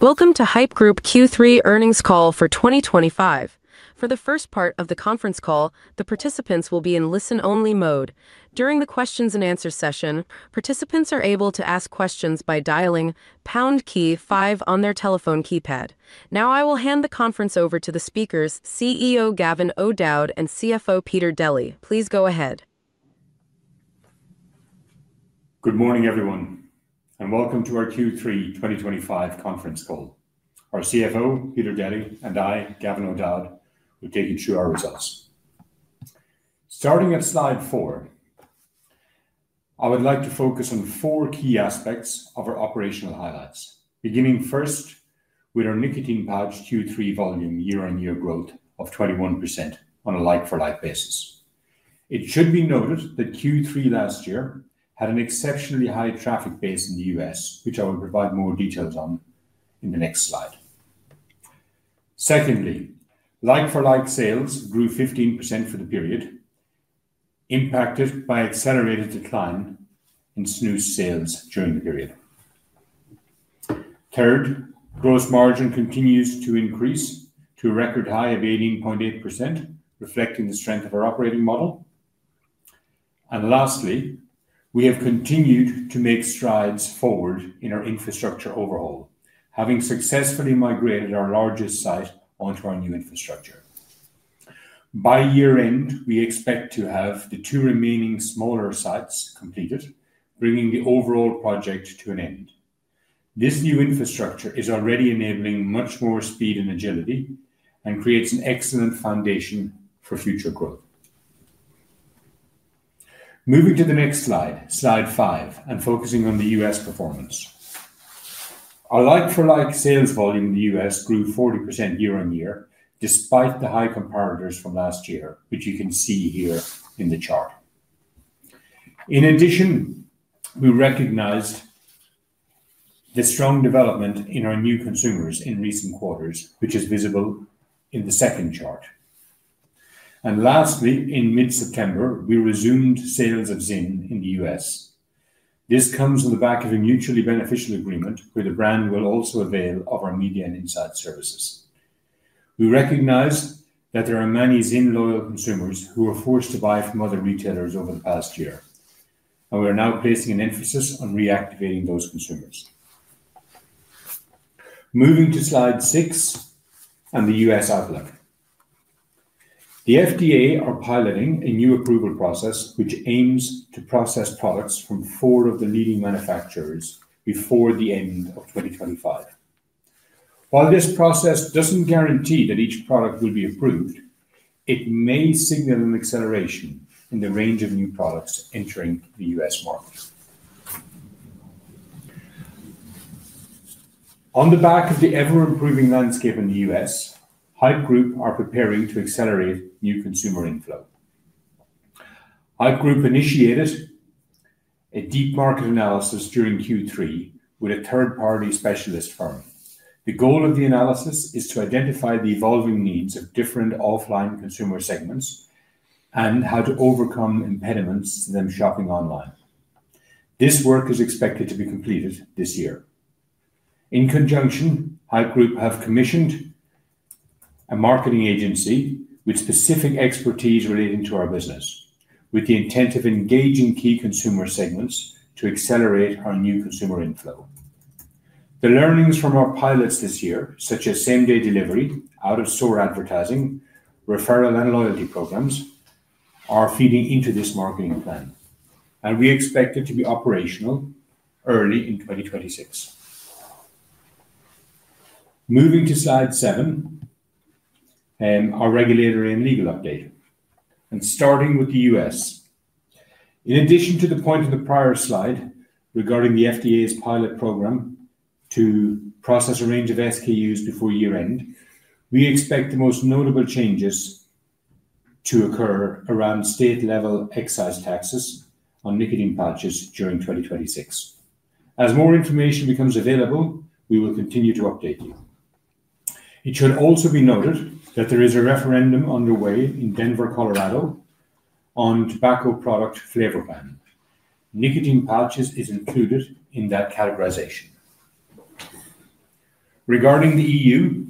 Welcome to Haypp Group Q3 earnings call for 2025. For the first part of the conference call, the participants will be in listen-only mode. During the Q&A session, participants are able to ask questions by dialing pound key five on their telephone keypad. Now I will hand the conference over to the speakers, CEO Gavin O'Dowd and CFO Peter Deli. Please go ahead. Good morning, everyone, and welcome to our Q3 2025 conference call. Our CFO, Peter Deli, and I, Gavin O'Dowd, will take you through our results. Starting at slide four. I would like to focus on four key aspects of our operational highlights, beginning first with our nicotine pouch Q3 volume year-on-year growth of 21% on a like-for-like basis. It should be noted that Q3 last year had an exceptionally high traffic base in the U.S., which I will provide more details on in the next slide. Secondly, like-for-like sales grew 15% for the period, impacted by accelerated decline in snus sales during the period. Third, gross margin continues to increase to a record high of 18.8%, reflecting the strength of our operating model. Lastly, we have continued to make strides forward in our infrastructure overhaul, having successfully migrated our largest site onto our new infrastructure. By year-end, we expect to have the two remaining smaller sites completed, bringing the overall project to an end. This new infrastructure is already enabling much more speed and agility and creates an excellent foundation for future growth. Moving to the next slide, slide five, and focusing on the U.S. performance. Our like-for-like sales volume in the U.S. grew 40% year-on-year, despite the high comparators from last year, which you can see here in the chart. In addition, we recognized the strong development in our new consumers in recent quarters, which is visible in the second chart. Lastly, in mid-September, we resumed sales of Zyn in the U.S. This comes on the back of a mutually beneficial agreement where the brand will also avail of our media and insights services. We recognize that there are many Zyn-loyal consumers who were forced to buy from other retailers over the past year, and we are now placing an emphasis on reactivating those consumers. Moving to slide six and the U.S. outlook. The FDA is piloting a new approval process which aims to process products from four of the leading manufacturers before the end of 2025. While this process does not guarantee that each product will be approved, it may signal an acceleration in the range of new products entering the U.S. market. On the back of the ever-improving landscape in the U.S., Haypp Group is preparing to accelerate new consumer inflow. Haypp Group initiated a deep market analysis during Q3 with a third-party specialist firm. The goal of the analysis is to identify the evolving needs of different offline consumer segments and how to overcome impediments to them shopping online. This work is expected to be completed this year. In conjunction, Haypp Group has commissioned a marketing agency with specific expertise relating to our business, with the intent of engaging key consumer segments to accelerate our new consumer inflow. The learnings from our pilots this year, such as same-day delivery, out-of-store advertising, referral, and loyalty programs, are feeding into this marketing plan, and we expect it to be operational early in 2026. Moving to slide seven. Our regulatory and legal update. Starting with the U.S. In addition to the point of the prior slide regarding the FDA's pilot program to process a range of SKUs before year-end, we expect the most notable changes to occur around state-level excise taxes on nicotine pouches during 2026. As more information becomes available, we will continue to update you. It should also be noted that there is a referendum underway in Denver, Colorado, on tobacco product flavor ban. Nicotine pouches are included in that categorization. Regarding the EU.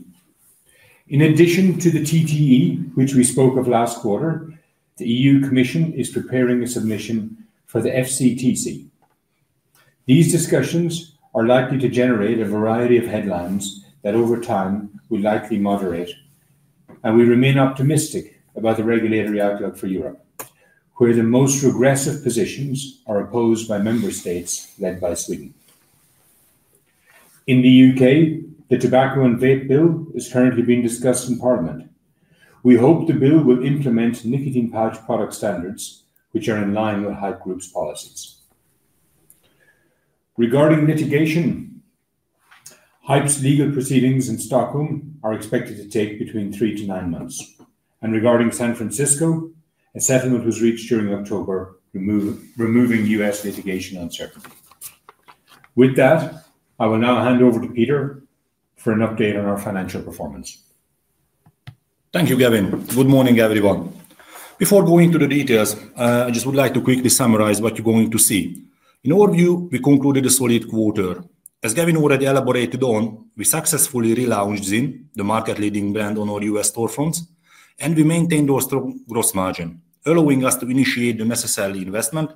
In addition to the TPD, which we spoke of last quarter, the EU Commission is preparing a submission for the FCTC. These discussions are likely to generate a variety of headlines that, over time, will likely moderate, and we remain optimistic about the regulatory outlook for Europe, where the most regressive positions are opposed by member states led by Sweden. In the U.K., the tobacco and vape bill is currently being discussed in Parliament. We hope the bill will implement nicotine pouch product standards, which are in line with Haypp Group's policies. Regarding litigation. Haypp's legal proceedings in Stockholm are expected to take between three to nine months. Regarding San Francisco, a settlement was reached during October, removing U.S. litigation uncertainty. With that, I will now hand over to Peter for an update on our financial performance. Thank you, Gavin. Good morning, everyone. Before going into the details, I just would like to quickly summarize what you're going to see. In overview, we concluded a solid quarter. As Gavin already elaborated on, we successfully relaunched Zyn, the market-leading brand on all U.S. storefronts, and we maintained our strong gross margin, allowing us to initiate the necessary investment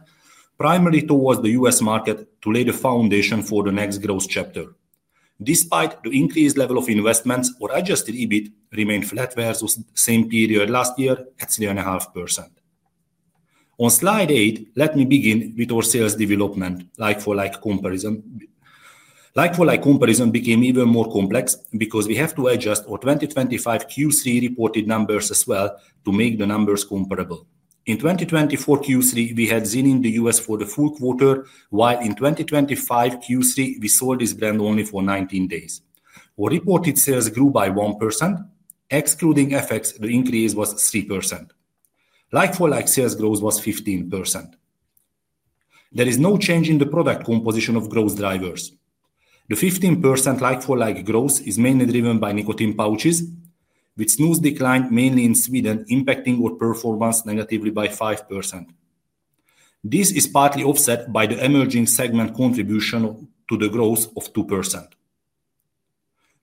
primarily towards the U.S. market to lay the foundation for the next growth chapter. Despite the increased level of investments, our adjusted EBIT remained flat versus the same period last year at 3.5%. On slide eight, let me begin with our sales development. Like-for-like comparison. Like-for-like comparison became even more complex because we have to adjust our 2025 Q3 reported numbers as well to make the numbers comparable. In 2024 Q3, we had Zyn in the U.S. for the full quarter, while in 2025 Q3, we sold this brand only for 19 days. Our reported sales grew by 1%. Excluding FX, the increase was 3%. Like-for-like sales growth was 15%. There is no change in the product composition of growth drivers. The 15% like-for-like growth is mainly driven by nicotine pouches, with snus decline mainly in Sweden impacting our performance negatively by 5%. This is partly offset by the emerging segment contribution to the growth of 2%.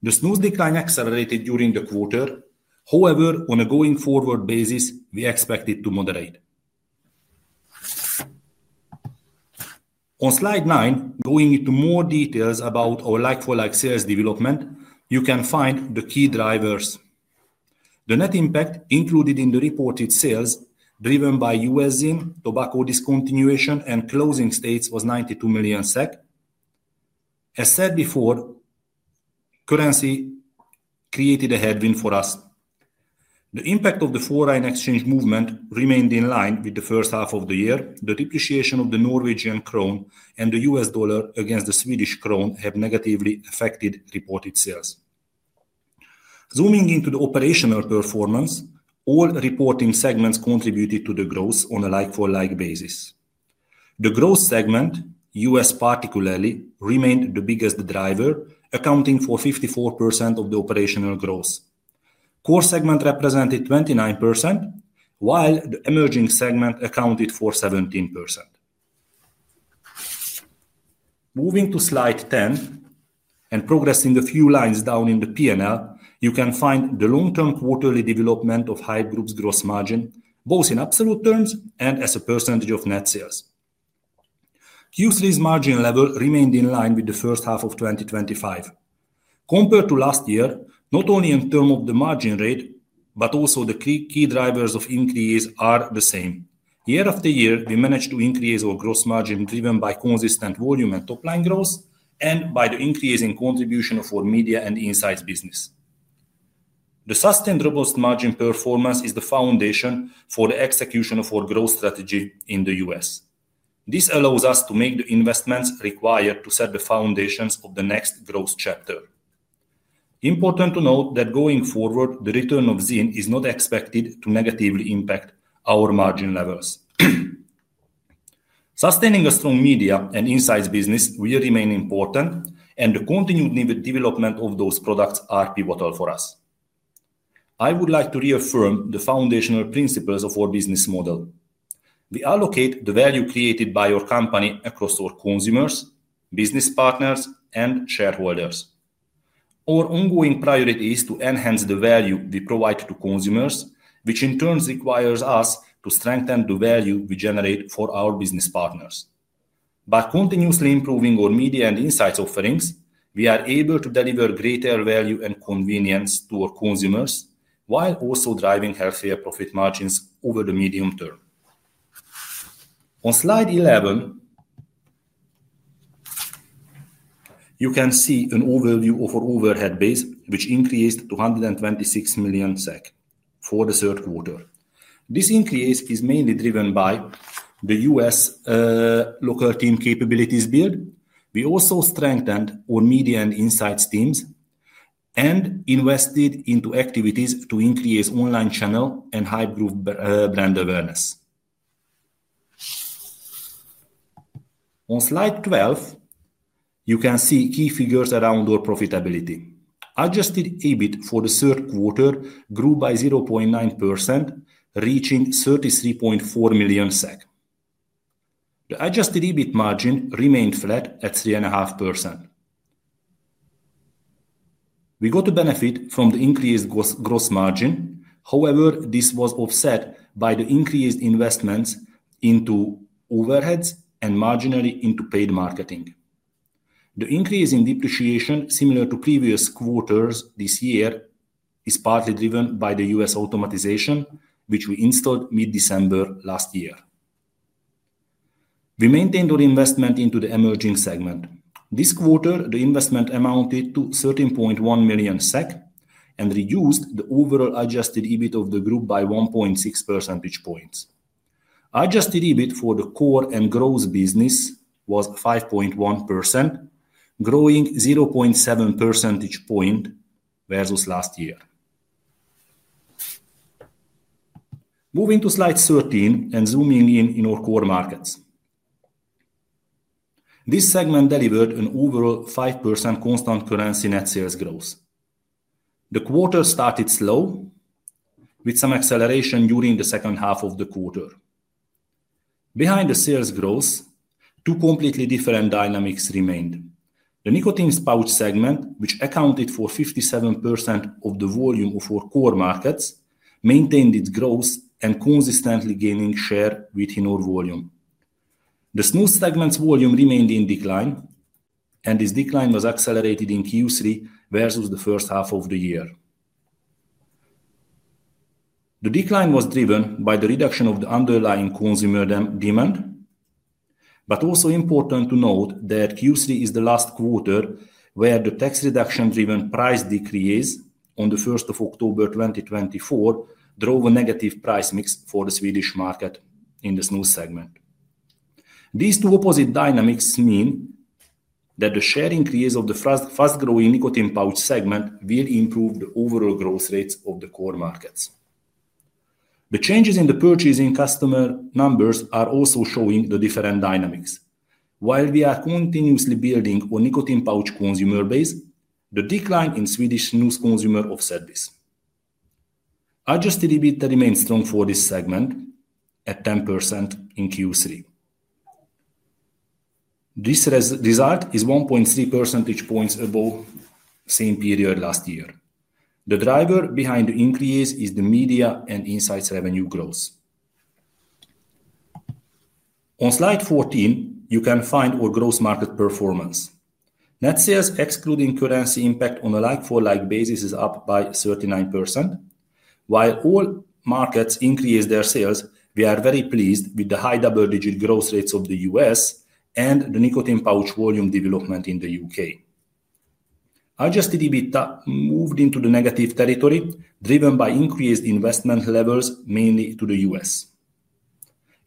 The snus decline accelerated during the quarter. However, on a going-forward basis, we expect it to moderate. On slide nine, going into more details about our like-for-like sales development, you can find the key drivers. The net impact included in the reported sales, driven by U.S. Zyn, tobacco discontinuation, and closing states, was 92 million SEK. As said before, currency created a headwind for us. The impact of the foreign exchange movement remained in line with the first half of the year. The depreciation of the Norwegian krone and the U.S. dollar against the Swedish krona has negatively affected reported sales. Zooming into the operational performance, all reporting segments contributed to the growth on a like-for-like basis. The growth segment, U.S. particularly, remained the biggest driver, accounting for 54% of the operational growth. Core segment represented 29%, while the emerging segment accounted for 17%. Moving to slide ten, and progressing a few lines down in the P&L, you can find the long-term quarterly development of Haypp Group's gross margin, both in absolute terms and as a percentage of net sales. Q3's margin level remained in line with the first half of 2025. Compared to last year, not only in terms of the margin rate, but also the key drivers of increase are the same. Year after year, we managed to increase our gross margin driven by consistent volume and top-line growth, and by the increase in contribution of our Media & Insights business. The sustained robust margin performance is the foundation for the execution of our growth strategy in the U.S. This allows us to make the investments required to set the foundations of the next growth chapter. Important to note that going forward, the return of Zyn is not expected to negatively impact our margin levels. Sustaining a strong Media & Insights business will remain important, and the continued development of those products is pivotal for us. I would like to reaffirm the foundational principles of our business model. We allocate the value created by our company across our consumers, business partners, and shareholders. Our ongoing priority is to enhance the value we provide to consumers, which in turn requires us to strengthen the value we generate for our business partners. By continuously improving our Media & Insights offerings, we are able to deliver greater value and convenience to our consumers, while also driving healthier profit margins over the medium term. On slide 11. You can see an overview of our overhead base, which increased to 126 million SEK for the third quarter. This increase is mainly driven by the U.S. Local Team capabilities build. We also strengthened our Media & Insights teams and invested into activities to increase online channel and Haypp Group brand awareness. On slide 12. You can see key figures around our profitability. Adjusted EBIT for the third quarter grew by 0.9%, reaching 33.4 million SEK. The adjusted EBIT margin remained flat at 3.5%. We got to benefit from the increased gross margin. However, this was offset by the increased investments into overheads and marginally into paid marketing. The increase in depreciation, similar to previous quarters this year, is partly driven by the U.S. automatization, which we installed mid-December last year. We maintained our investment into the emerging segment. This quarter, the investment amounted to 13.1 million SEK and reduced the overall adjusted EBIT of the group by 1.6 percentage points. Adjusted EBIT for the core and growth business was 5.1%, growing 0.7 percentage points versus last year. Moving to slide 13 and zooming in on our core markets. This segment delivered an overall 5% constant currency net sales growth. The quarter started slow, with some acceleration during the second half of the quarter. Behind the sales growth, two completely different dynamics remained. The nicotine pouch segment, which accounted for 57% of the volume of our core markets, maintained its growth and consistently gained share within our volume. The snus segment's volume remained in decline, and this decline was accelerated in Q3 versus the first half of the year. The decline was driven by the reduction of the underlying consumer demand. Also important to note that Q3 is the last quarter where the tax reduction-driven price decrease on the 1st of October 2024 drove a negative price mix for the Swedish market in the snus segment. These two opposite dynamics mean that the share increase of the fast-growing nicotine pouch segment will improve the overall growth rates of the core markets. The changes in the purchasing customer numbers are also showing the different dynamics. While we are continuously building our nicotine pouch consumer base, the decline in Swedish snus consumer offset this. Adjusted EBIT remained strong for this segment at 10% in Q3. This result is 1.3 percentage points above the same period last year. The driver behind the increase is the Media & Insights revenue growth. On slide 14, you can find our gross market performance. Net sales, excluding currency impact on a like-for-like basis, is up by 39%. While all markets increased their sales, we are very pleased with the high double-digit growth rates of the U.S. and the nicotine pouch volume development in the U.K. Adjusted EBIT moved into the negative territory, driven by increased investment levels, mainly to the U.S.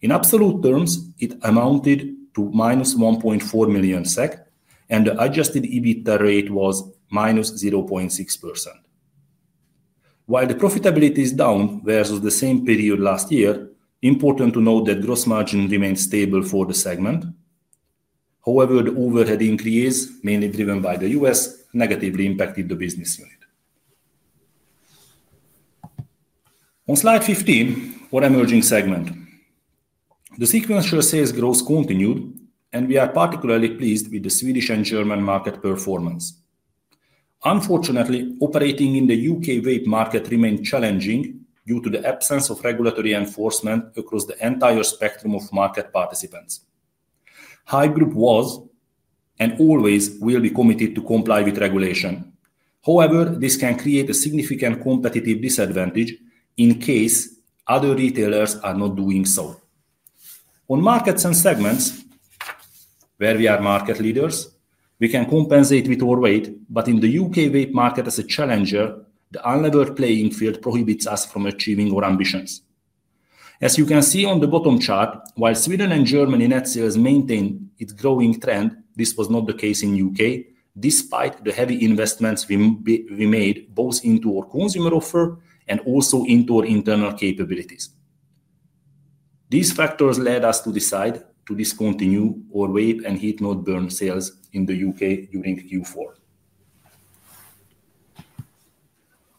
In absolute terms, it amounted to -1.4 million SEK, and the adjusted EBIT rate was -0.6%. While the profitability is down versus the same period last year, it's important to note that gross margin remained stable for the segment. However, the overhead increase, mainly driven by the U.S., negatively impacted the business unit. On slide 15, our emerging segment. The sequential sales growth continued, and we are particularly pleased with the Swedish and German market performance. Unfortunately, operating in the U.K. vape market remained challenging due to the absence of regulatory enforcement across the entire spectrum of market participants. Haypp Group was, and always will be, committed to comply with regulation. However, this can create a significant competitive disadvantage in case other retailers are not doing so. On markets and segments where we are market leaders, we can compensate with our weight, but in the U.K. vape market as a challenger, the unlevered playing field prohibits us from achieving our ambitions. As you can see on the bottom chart, while Sweden and Germany net sales maintained its growing trend, this was not the case in the U.K., despite the heavy investments we made both into our consumer offer and also into our internal capabilities. These factors led us to decide to discontinue our vape and heat-not-burn sales in the U.K. during Q4.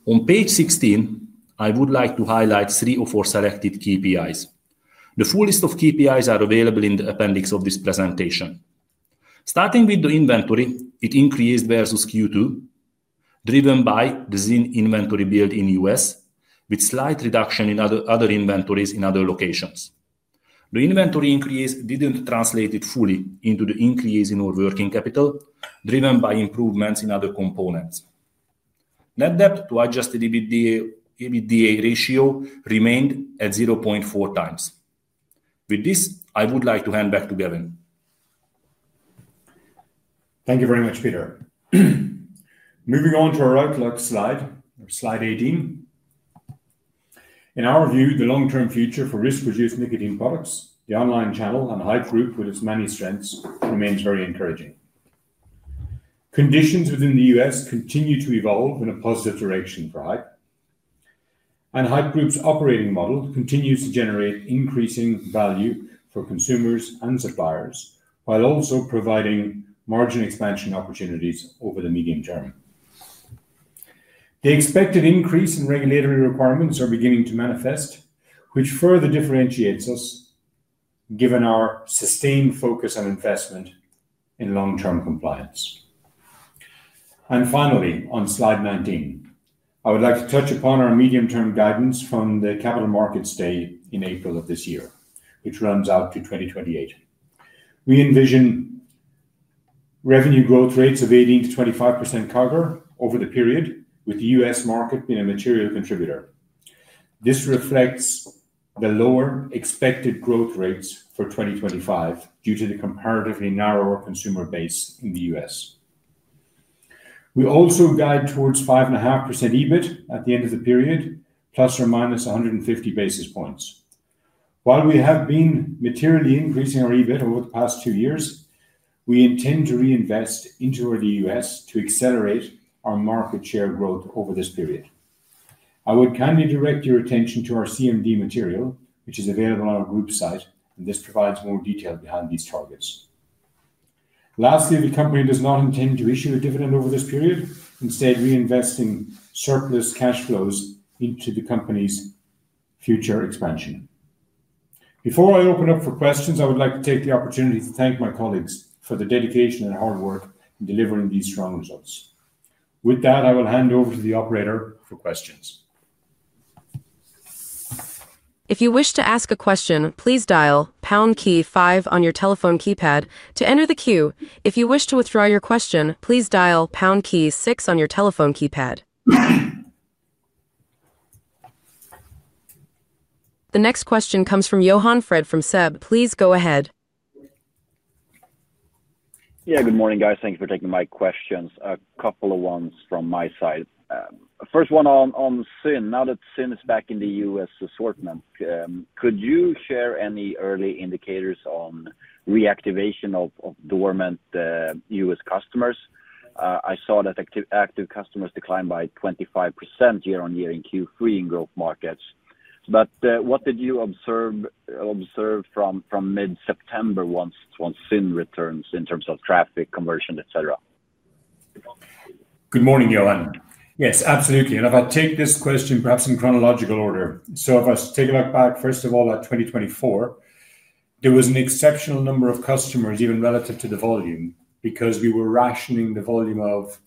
On page 16, I would like to highlight three of our selected KPIs. The full list of KPIs is available in the appendix of this presentation. Starting with the inventory, it increased versus Q2, driven by the Zyn inventory build in the U.S., with a slight reduction in other inventories in other locations. The inventory increase didn't translate fully into the increase in our working capital, driven by improvements in other components. Net debt to adjusted EBITDA ratio remained at 0.4 times. With this, I would like to hand back to Gavin. Thank you very much, Peter. Moving on to our outlook slide, or slide 18. In our view, the long-term future for risk-reduced nicotine products, the online channel, and Haypp Group, with its many strengths, remains very encouraging. Conditions within the U.S. continue to evolve in a positive direction for Haypp. Haypp Group's operating model continues to generate increasing value for consumers and suppliers, while also providing margin expansion opportunities over the medium term. The expected increase in regulatory requirements is beginning to manifest, which further differentiates us, given our sustained focus and investment in long-term compliance. Finally, on slide 19, I would like to touch upon our medium-term guidance from the capital markets day in April of this year, which runs out to 2028. We envision revenue growth rates of 18% - 25% CAGR over the period, with the U.S. market being a material contributor. This reflects the lower expected growth rates for 2025 due to the comparatively narrower consumer base in the U.S. We also guide towards 5.5% EBIT at the end of the period, ±150 basis points. While we have been materially increasing our EBIT over the past two years, we intend to reinvest into our U.S. to accelerate our market share growth over this period. I would kindly direct your attention to our CMD material, which is available on our group site, and this provides more detail behind these targets. Lastly, the company does not intend to issue a dividend over this period. Instead, we invest surplus cash flows into the company's future expansion. Before I open up for questions, I would like to take the opportunity to thank my colleagues for the dedication and hard work in delivering these strong results. With that, I will hand over to the operator for questions. If you wish to ask a question, please dial pound key five on your telephone keypad to enter the queue. If you wish to withdraw your question, please dial pound key six on your telephone keypad. The next question comes from Johan Fred from SEB. Please go ahead. Yeah, good morning, guys. Thank you for taking my questions. A couple of ones from my side. First one on Zyn. Now that Zyn is back in the U.S. assortment, could you share any early indicators on reactivation of dormant U.S. customers? I saw that active customers declined by 25% year-on-year in Q3 in growth markets. What did you observe from mid-September once Zyn returns in terms of traffic, conversion, et cetera? Good morning, Johan. Yes, absolutely. If I take this question perhaps in chronological order, if I take a look back, first of all, at 2024. There was an exceptional number of customers, even relative to the volume, because we were rationing the volume of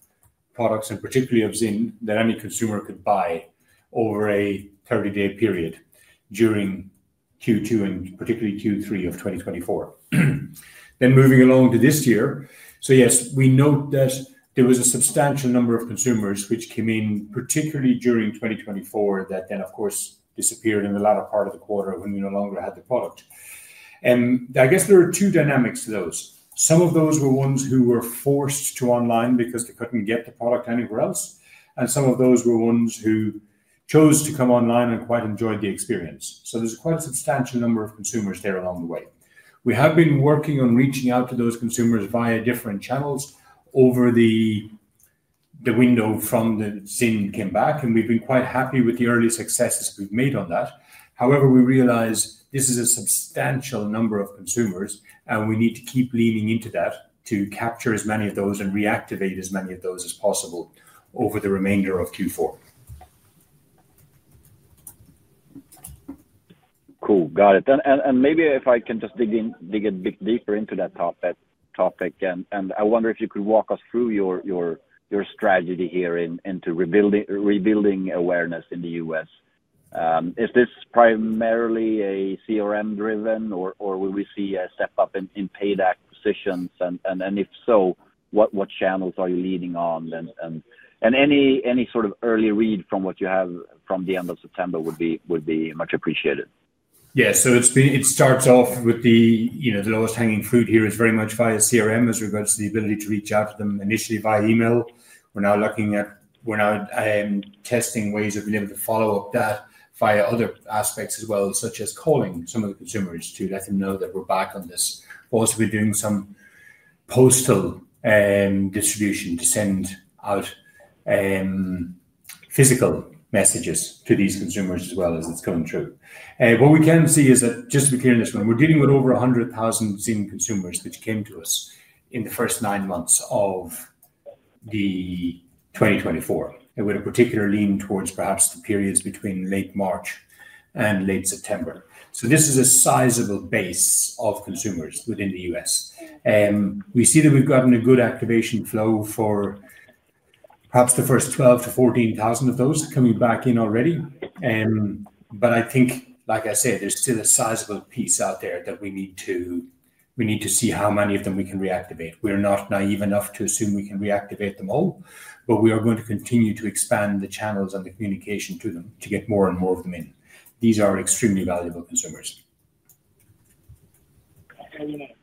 products, and particularly of Zyn, that any consumer could buy over a 30-day period during Q2 and particularly Q3 of 2024. Moving along to this year, yes, we note that there was a substantial number of consumers which came in, particularly during 2024, that then, of course, disappeared in the latter part of the quarter when we no longer had the product. I guess there are two dynamics to those. Some of those were ones who were forced to online because they could not get the product anywhere else. Some of those were ones who chose to come online and quite enjoyed the experience. There is quite a substantial number of consumers there along the way. We have been working on reaching out to those consumers via different channels over the window from when Zyn came back, and we have been quite happy with the early successes we have made on that. However, we realize this is a substantial number of consumers, and we need to keep leaning into that to capture as many of those and reactivate as many of those as possible over the remainder of Q4. Cool, got it. Maybe if I can just dig in, dig a bit deeper into that topic, I wonder if you could walk us through your strategy here into rebuilding awareness in the U.S. Is this primarily a CRM-driven, or will we see a step up in paid acquisitions? If so, what channels are you leading on? Any sort of early read from what you have from the end of September would be much appreciated. Yeah, so it starts off with the lowest hanging fruit here is very much via CRM as regards to the ability to reach out to them initially via email. We're now looking at, we're now testing ways that we're able to follow up that via other aspects as well, such as calling some of the consumers to let them know that we're back on this. Also, we're doing some postal distribution to send out physical messages to these consumers as well as it's coming through. What we can see is that, just to be clear on this one, we're dealing with over 100,000 Zyn consumers which came to us in the first nine months of the 2024, with a particular lean towards perhaps the periods between late March and late September. This is a sizable base of consumers within the U.S. We see that we've gotten a good activation flow for perhaps the first 12,000-14,000 of those coming back in already. I think, like I said, there's still a sizable piece out there that we need to see how many of them we can reactivate. We're not naive enough to assume we can reactivate them all, but we are going to continue to expand the channels and the communication to them to get more and more of them in. These are extremely valuable consumers.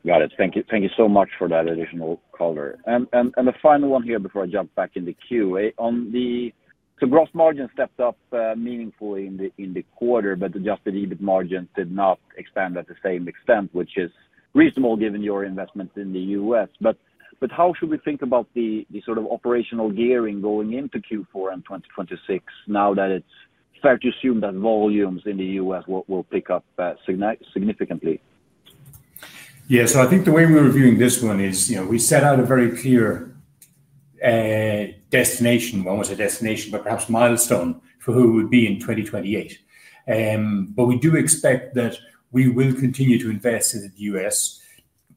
Got it. Thank you so much for that additional color. The final one here before I jump back in the queue. Gross margin stepped up meaningfully in the quarter, but adjusted EBIT margin did not expand to the same extent, which is reasonable given your investment in the U.S. How should we think about the sort of operational gearing going into Q4 and 2026 now that it's fair to assume that volumes in the U.S. will pick up significantly? Yeah, so I think the way we're reviewing this one is we set out a very clear destination, well, it's a destination, but perhaps milestone for who it would be in 2028. We do expect that we will continue to invest in the U.S.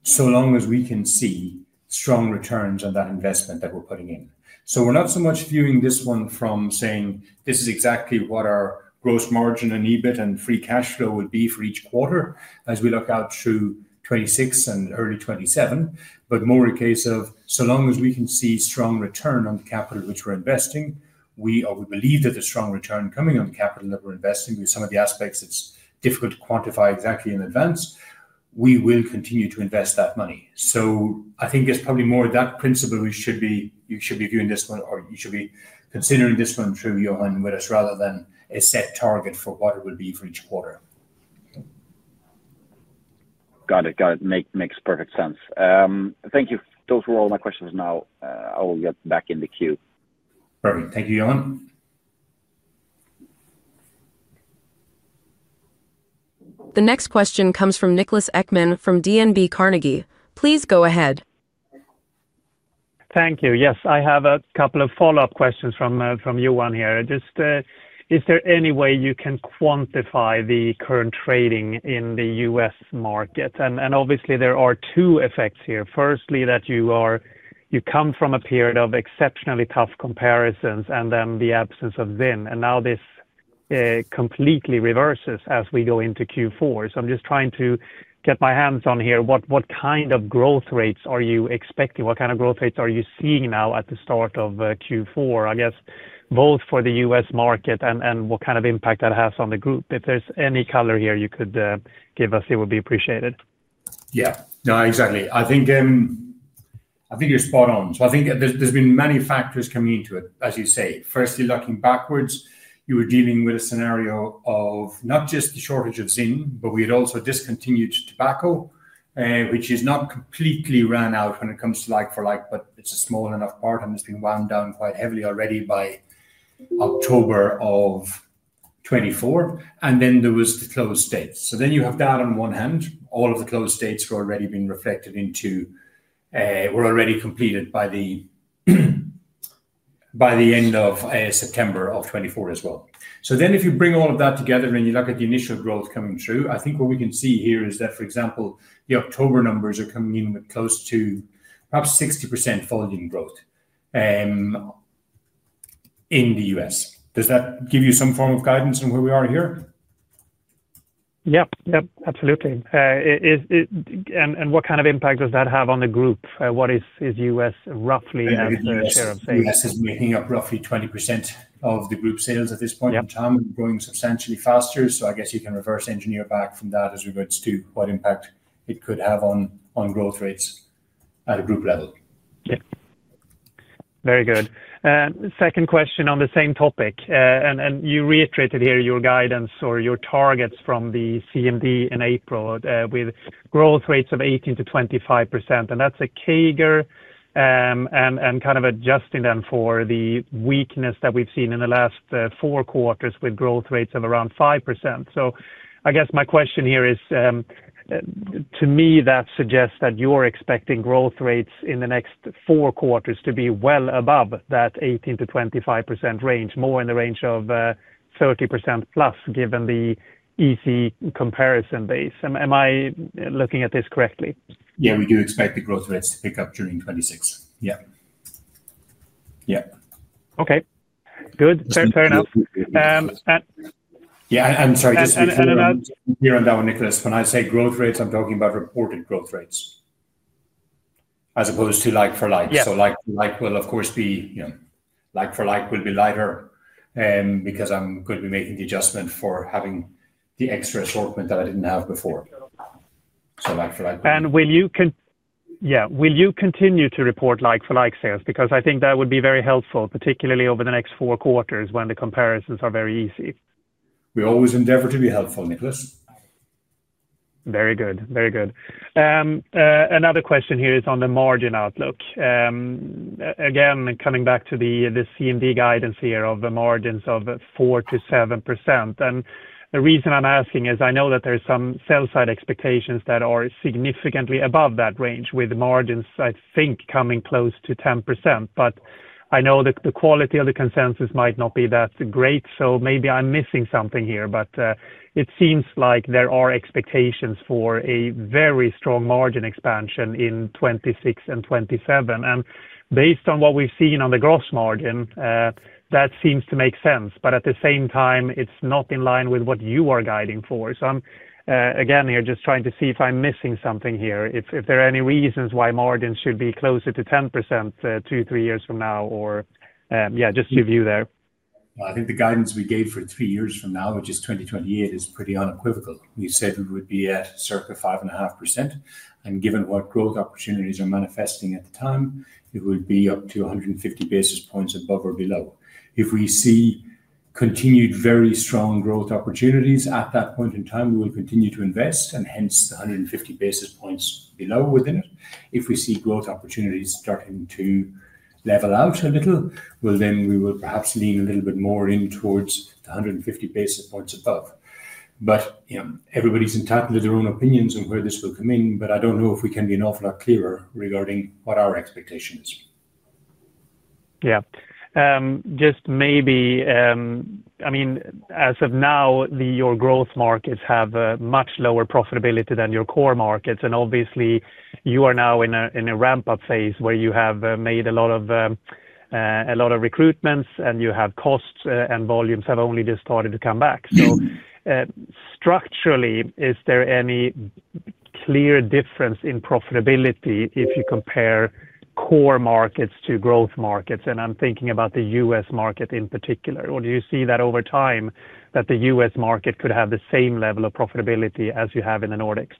so long as we can see strong returns on that investment that we're putting in. We're not so much viewing this one from saying this is exactly what our gross margin and EBIT and free cash flow would be for each quarter as we look out to 2026 and early 2027, but more a case of so long as we can see strong return on the capital which we're investing, we believe that the strong return coming on the capital that we're investing with some of the aspects it's difficult to quantify exactly in advance, we will continue to invest that money. I think it's probably more that principle we should be viewing this one, or you should be considering this one through Johan with us rather than a set target for what it would be for each quarter. Got it. Got it. Makes perfect sense. Thank you. Those were all my questions now. I will get back in the queue. Perfect. Thank you, Johan. The next question comes from Niklas Ekman from DNB Carnegie. Please go ahead. Thank you. Yes, I have a couple of follow-up questions from Johan here. Just, is there any way you can quantify the current trading in the U.S. market? Obviously, there are two effects here. Firstly, that you come from a period of exceptionally tough comparisons and then the absence of Zyn. Now this completely reverses as we go into Q4. I am just trying to get my hands on here what kind of growth rates you are expecting. What kind of growth rates are you seeing now at the start of Q4, I guess, both for the U.S. market and what kind of impact that has on the group? If there is any color here you could give us, it would be appreciated. Yeah. No, exactly. I think. You're spot on. I think there's been many factors coming into it, as you say. Firstly, looking backwards, you were dealing with a scenario of not just the shortage of Zyn, but we had also discontinued tobacco, which is not completely run out when it comes to like for like, but it's a small enough part and it's been wound down quite heavily already by October of 2024. Then there was the closed states. You have that on one hand. All of the closed states were already being reflected into, were already completed by the end of September of 2024 as well. If you bring all of that together and you look at the initial growth coming through, I think what we can see here is that, for example, the October numbers are coming in with close to perhaps 60% volume growth in the U.S. Does that give you some form of guidance on where we are here? Yep, yep, absolutely. What kind of impact does that have on the group? What is U.S. roughly in terms of sales? U.S. is making up roughly 20% of the group sales at this point in time, growing substantially faster. I guess you can reverse engineer back from that as regards to what impact it could have on growth rates at a group level. Yeah. Very good. Second question on the same topic. You reiterated here your guidance or your targets from the CMD in April with growth rates of 18% - 25%. That is a CAGR. Kind of adjusting them for the weakness that we've seen in the last four quarters with growth rates of around 5%. I guess my question here is, to me, that suggests that you're expecting growth rates in the next four quarters to be well above that 18% - 25% range, more in the range of 30%+ given the easy comparison base. Am I looking at this correctly? Yeah, we do expect the growth rates to pick up during 2026. Yeah. Yeah. Okay. Good. Fair enough. Yeah, I'm sorry, just. And. Here on that one, Niklas, when I say growth rates, I'm talking about reported growth rates. As opposed to like for like. Like for like will, of course, be lighter because I'm going to be making the adjustment for having the extra assortment that I didn't have before. Like for like. Yeah, will you continue to report like-for-like sales? Because I think that would be very helpful, particularly over the next four quarters when the comparisons are very easy. We always endeavor to be helpful, Niklas. Very good. Very good. Another question here is on the margin outlook. Again, coming back to the CMD guidance here of the margins of 4% - 7%. The reason I'm asking is I know that there are some sell-side expectations that are significantly above that range with margins, I think, coming close to 10%. I know that the quality of the consensus might not be that great, so maybe I'm missing something here. It seems like there are expectations for a very strong margin expansion in 2026 and 2027. Based on what we've seen on the gross margin, that seems to make sense. At the same time, it's not in line with what you are guiding for. I'm again here just trying to see if I'm missing something here. If there are any reasons why margins should be closer to 10% two, three years from now, or yeah, just your view there. I think the guidance we gave for three years from now, which is 2028, is pretty unequivocal. We said it would be at circa 5.5%. And given what growth opportunities are manifesting at the time, it would be up to 150 basis points above or below. If we see continued very strong growth opportunities at that point in time, we will continue to invest, and hence the 150 basis points below within it. If we see growth opportunities starting to level out a little, we will perhaps lean a little bit more in towards the 150 basis points above. But everybody's entitled to their own opinions on where this will come in, but I don't know if we can be an awful lot clearer regarding what our expectation is. Yeah. Just maybe, I mean, as of now, your growth markets have much lower profitability than your core markets. And obviously, you are now in a ramp-up phase where you have made a lot of recruitments, and you have costs and volumes have only just started to come back. Structurally, is there any clear difference in profitability if you compare core markets to growth markets? And I'm thinking about the U.S. market in particular. Or do you see that over time that the U.S. market could have the same level of profitability as you have in the Nordics?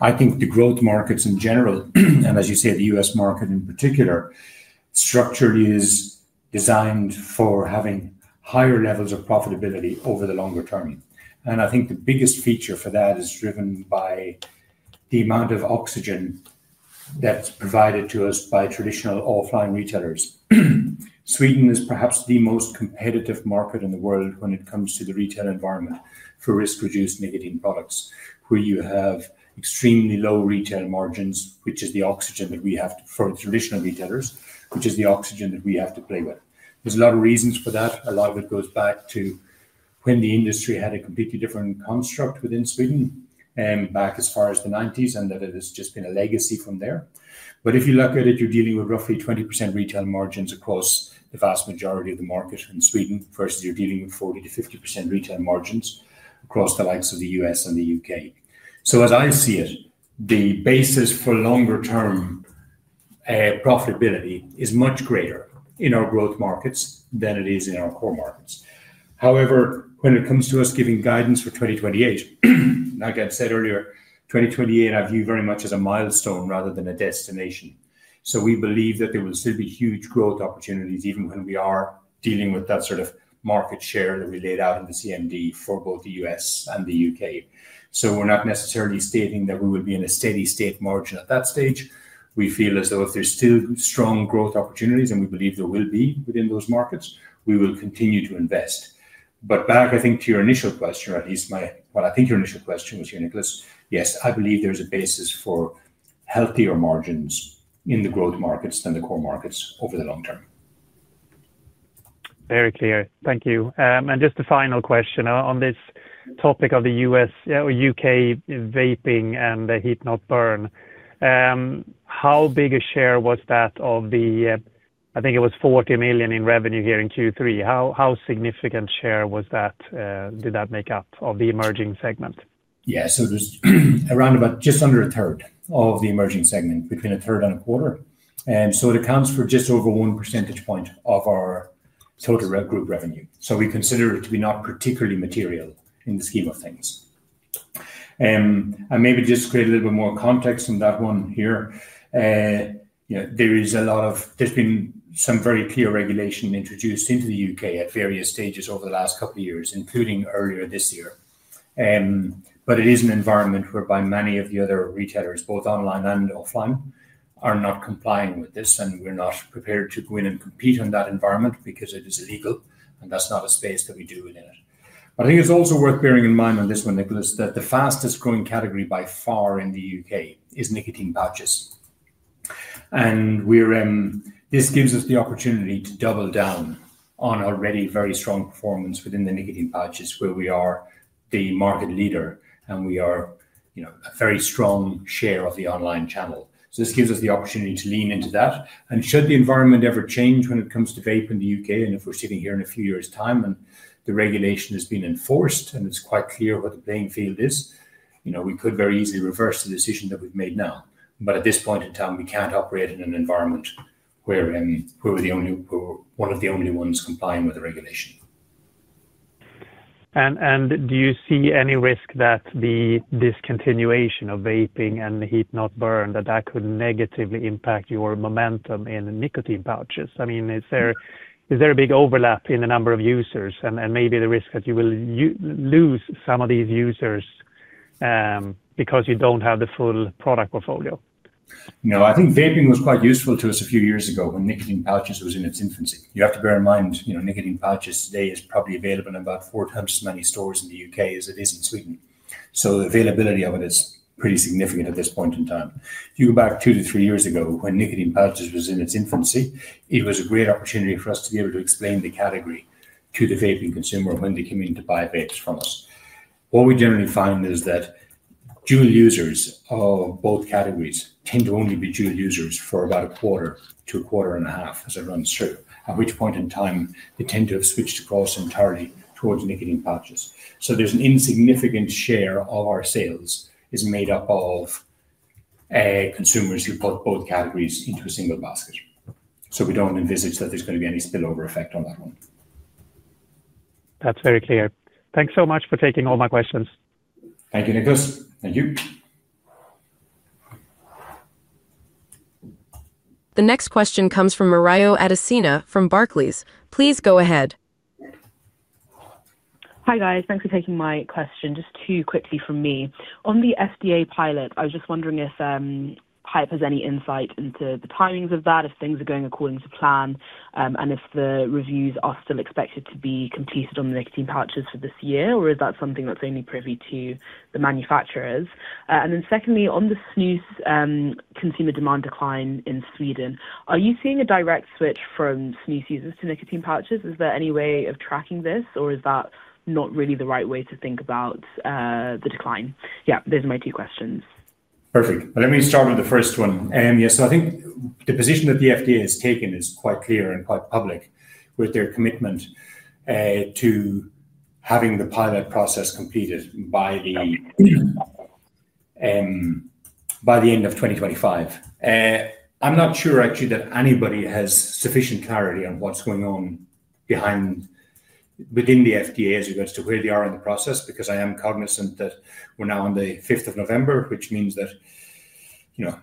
I think the growth markets in general, and as you say, the U.S. market in particular, structurally is designed for having higher levels of profitability over the longer term. I think the biggest feature for that is driven by the amount of oxygen that's provided to us by traditional offline retailers. Sweden is perhaps the most competitive market in the world when it comes to the retail environment for risk-reduced nicotine products, where you have extremely low retail margins, which is the oxygen that we have for traditional retailers, which is the oxygen that we have to play with. There are a lot of reasons for that. A lot of it goes back to when the industry had a completely different construct within Sweden back as far as the 1990s, and that has just been a legacy from there. If you look at it, you're dealing with roughly 20% retail margins across the vast majority of the market in Sweden versus you're dealing with 40% - 50% retail margins across the likes of the U.S. and the U.K. As I see it, the basis for longer-term profitability is much greater in our growth markets than it is in our core markets. However, when it comes to us giving guidance for 2028, like I said earlier, 2028, I view very much as a milestone rather than a destination. We believe that there will still be huge growth opportunities even when we are dealing with that sort of market share that we laid out in the CMD for both the U.S. and the U.K. We are not necessarily stating that we will be in a steady state margin at that stage. We feel as though if there are still strong growth opportunities, and we believe there will be within those markets, we will continue to invest. Back, I think, to your initial question, or at least my—well, I think your initial question was here, Niklas. Yes, I believe there is a basis for healthier margins in the growth markets than the core markets over the long term. Very clear. Thank you. Just a final question on this topic of the U.S. or U.K. vaping and the heat-not-burn. How big a share was that of the—I think it was 40 million in revenue here in Q3? How significant share was that? Did that make up of the emerging segment? Yeah. There is around about just under a third of the emerging segment, between a third and a quarter. It accounts for just over one percentage point of our total group revenue. We consider it to be not particularly material in the scheme of things. Maybe just to create a little bit more context on that one here. There is a lot of—there has been some very clear regulation introduced into the U.K. at various stages over the last couple of years, including earlier this year. It is an environment whereby many of the other retailers, both online and offline, are not complying with this, and we are not prepared to go in and compete in that environment because it is illegal, and that is not a space that we do within it. I think it is also worth bearing in mind on this one, Niklas, that the fastest growing category by far in the U.K. is nicotine pouches. This gives us the opportunity to double down on already very strong performance within the nicotine pouches, where we are the market leader and we have a very strong share of the online channel. This gives us the opportunity to lean into that. Should the environment ever change when it comes to vape in the U.K., and if we are sitting here in a few years' time and the regulation has been enforced and it is quite clear what the playing field is, we could very easily reverse the decision that we have made now. At this point in time, we cannot operate in an environment where we are one of the only ones complying with the regulation. Do you see any risk that the discontinuation of vaping and the heat-not-burn, that that could negatively impact your momentum in nicotine pouches? I mean, is there a big overlap in the number of users and maybe the risk that you will lose some of these users because you do not have the full product portfolio? No, I think vaping was quite useful to us a few years ago when nicotine pouches was in its infancy. You have to bear in mind nicotine pouches today is probably available in about four times as many stores in the U.K. as it is in Sweden. The availability of it is pretty significant at this point in time. If you go back two to three years ago when nicotine pouches was in its infancy, it was a great opportunity for us to be able to explain the category to the vaping consumer when they came in to buy vapes from us. What we generally find is that dual users of both categories tend to only be dual users for about a quarter to a quarter and a half as it runs through, at which point in time they tend to have switched across entirely towards nicotine pouches. There is an insignificant share of our sales made up of consumers who put both categories into a single basket. We do not envisage that there is going to be any spillover effect on that one. That's very clear. Thanks so much for taking all my questions. Thank you, Niklas. Thank you. The next question comes from Morayo Adesina from Barclays. Please go ahead. Hi guys. Thanks for taking my question. Just two quickly from me. On the FDA pilot, I was just wondering if Haypp has any insight into the timings of that, if things are going according to plan, and if the reviews are still expected to be completed on the nicotine pouches for this year, or is that something that's only privy to the manufacturers? Secondly, on the snus consumer demand decline in Sweden, are you seeing a direct switch from snus users to nicotine pouches? Is there any way of tracking this, or is that not really the right way to think about the decline? Yeah, those are my two questions. Perfect. Let me start with the first one. I think the position that the FDA has taken is quite clear and quite public with their commitment to having the pilot process completed by the end of 2025. I'm not sure actually that anybody has sufficient clarity on what's going on within the FDA as it relates to where they are in the process, because I am cognizant that we're now on the 5th of November, which means that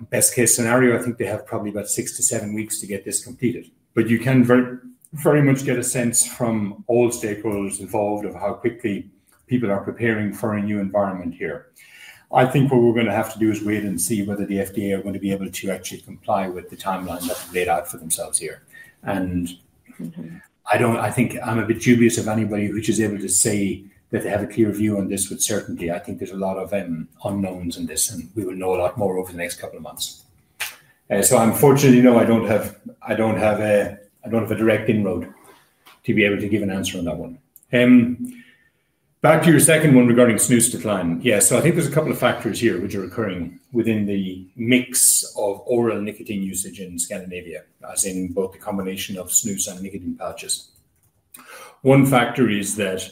best case scenario, I think they have probably about six to seven weeks to get this completed. You can very much get a sense from all stakeholders involved of how quickly people are preparing for a new environment here. I think what we're going to have to do is wait and see whether the FDA are going to be able to actually comply with the timeline that they've laid out for themselves here. I think I'm a bit dubious of anybody who is able to say that they have a clear view on this with certainty. I think there's a lot of unknowns in this, and we will know a lot more over the next couple of months. Unfortunately, no, I don't have a direct inroad to be able to give an answer on that one. Back to your second one regarding snus decline. Yeah, I think there's a couple of factors here which are occurring within the mix of oral nicotine usage in Scandinavia, as in both the combination of snus and nicotine pouches. One factor is that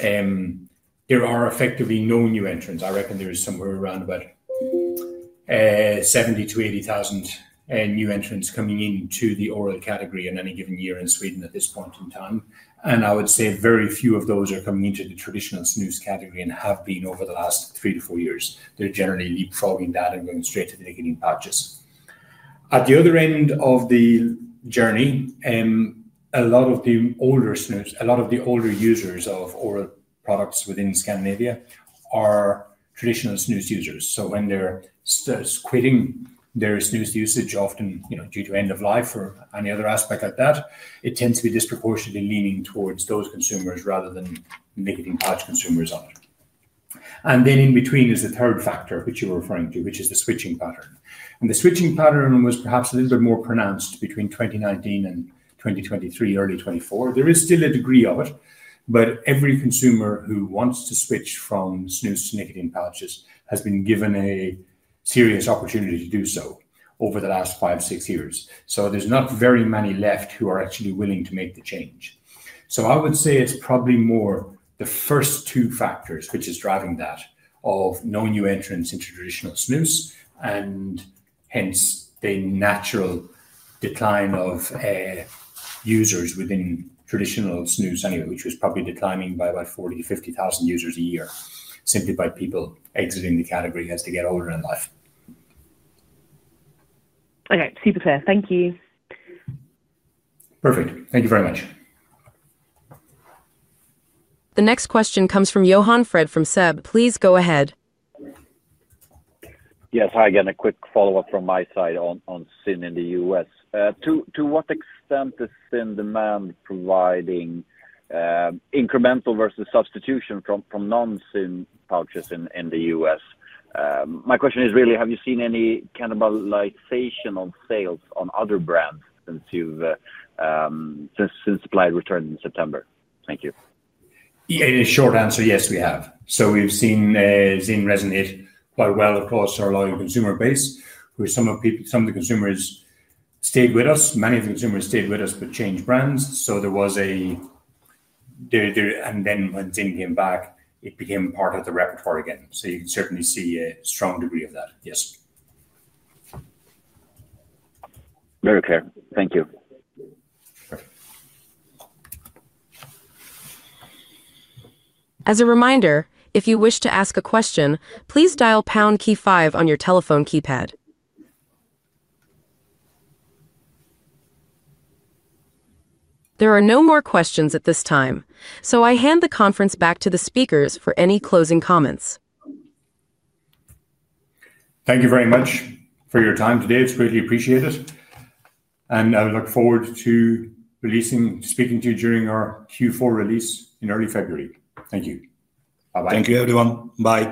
there are effectively no new entrants. I reckon there is somewhere around about 70,000-80,000 new entrants coming into the oral category in any given year in Sweden at this point in time. I would say very few of those are coming into the traditional snus category and have been over the last three to four years. They're generally leapfrogging that and going straight to the nicotine pouches. At the other end of the journey, a lot of the older snus, a lot of the older users of oral products within Scandinavia are traditional snus users. When they're quitting their snus usage, often due to end of life or any other aspect like that, it tends to be disproportionately leaning towards those consumers rather than nicotine pouch consumers on it. In between is the third factor, which you were referring to, which is the switching pattern. The switching pattern was perhaps a little bit more pronounced between 2019 and 2023, early 2024. There is still a degree of it, but every consumer who wants to switch from snus to nicotine pouches has been given a serious opportunity to do so over the last five, six years. There's not very many left who are actually willing to make the change. I would say it's probably more the first two factors, which is driving that, of no new entrants into traditional snus and hence the natural decline of users within traditional snus anyway, which was probably declining by about 40,000-50,000 users a year simply by people exiting the category as they get older in life. Okay. Super clear. Thank you. Perfect. Thank you very much. The next question comes from Johan Fred from SEB. Please go ahead. Yes. Hi again. A quick follow-up from my side on Zyn in the U.S. To what extent is Zyn demand providing incremental versus substitution from non-Zyn pouches in the U.S.? My question is really, have you seen any cannibalization on sales on other brands since Zyn's supply returned in September? Thank you. In a short answer, yes, we have. We have seen Zyn resonate quite well, of course, with our loyal consumer base, where some of the consumers stayed with us. Many of the consumers stayed with us but changed brands. There was a, and then when Zyn came back, it became part of the repertoire again. You can certainly see a strong degree of that. Yes. Very clear. Thank you. As a reminder, if you wish to ask a question, please dial pound key five on your telephone keypad. There are no more questions at this time, so I hand the conference back to the speakers for any closing comments. Thank you very much for your time today. It's greatly appreciated. I look forward to speaking to you during our Q4 release in early February. Thank you. Bye-bye. Thank you, everyone. Bye.